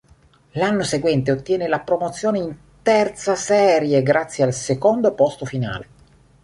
L'anno seguente ottiene la promozione in terza serie grazie al secondo posto finale.